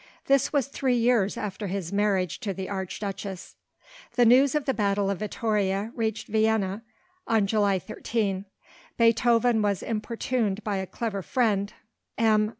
This was three years after his marriage to the Archduchess. The news of the battle of Vittoria reached Vienna on July 13. Beethoven was importuned by a clever friend, M.